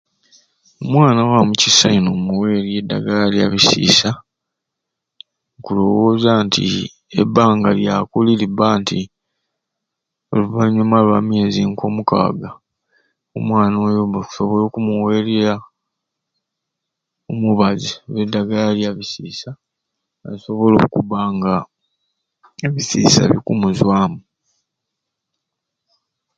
Omwana waamu kisai n'omuweerya eddagala lya bisiisa nkulowooza nti ebbanga lyakuli libba nti oluvanyuma lwa myezi ko mukaaga omwana oyo obba okusobola okumuweerya omubazi oba eddagala lya bisiisa nasobola okubba nga ebisiisa bikumuzwamu